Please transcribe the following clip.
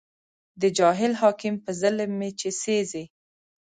د جاهل حاکم په ظلم مې چې سېزې